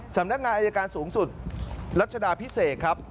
สำนักงานอายการสูงสุดรัชดาพิเศษครับ